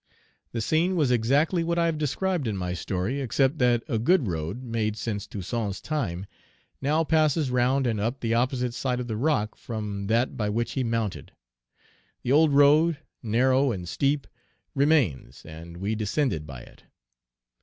The scene was exactly what I have described in my story, except that a good road, made since Toussaint's time, now passes round and up the opposite side of the rock from that by which he mounted. The old road, narrow and steep, remains; and we descended by it.